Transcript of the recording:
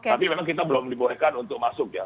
tapi memang kita belum dibolehkan untuk masuk ya